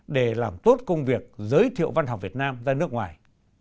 để làm tốt công việc giới thiệu văn học việt nam ra nước ngoài